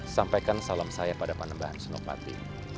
sampaikan salam saya pada panembahan senopati